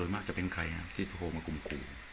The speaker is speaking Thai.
โดยมากจะเป็นใครที่โทรมาข่มขู่